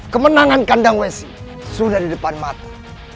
kemenangan kandang wesi sudah di depan mata